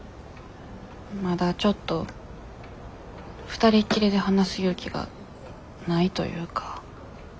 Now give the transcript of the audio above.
まだちょっと２人きりで話す勇気がないというか。